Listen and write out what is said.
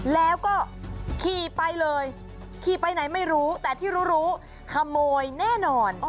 แล้วก็ขี่ไปเลยขี่ไปไหนไม่รู้แต่ที่รู้รู้ขโมยแน่นอน